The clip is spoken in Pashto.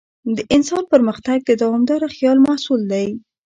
د انسان پرمختګ د دوامداره خیال محصول دی.